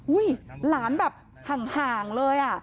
อุ๊ยหลานแบบห่างเลย